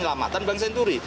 amatan bank senturi